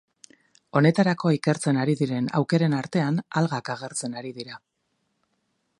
Honetarako ikertzen ari diren aukeren artean algak agertzen ari dira.